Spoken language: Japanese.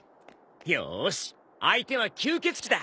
よーし相手は吸血鬼だ。